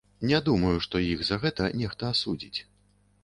Не думаю, што іх за гэта нехта асудзіць.